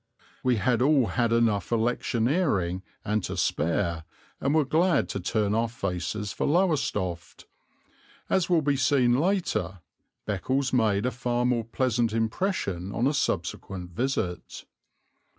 We had all had enough electioneering and to spare and were glad to turn our faces for Lowestoft. As will be seen later, Beccles made a far more pleasant impression on a subsequent visit.